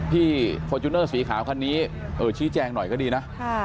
ฟอร์จูเนอร์สีขาวคันนี้ชี้แจงหน่อยก็ดีนะ